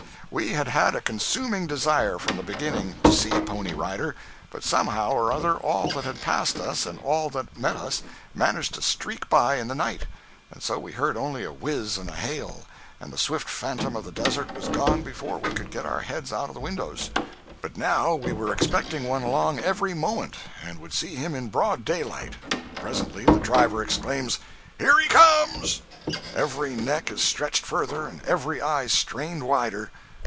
We had had a consuming desire, from the beginning, to see a pony rider, but somehow or other all that passed us and all that met us managed to streak by in the night, and so we heard only a whiz and a hail, and the swift phantom of the desert was gone before we could get our heads out of the windows. But now we were expecting one along every moment, and would see him in broad daylight. Presently the driver exclaims: "HERE HE COMES!" Every neck is stretched further, and every eye strained wider.